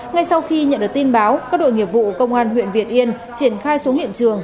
ngay sau khi nhận được tin báo các đội nghiệp vụ công an huyện việt yên triển khai xuống hiện trường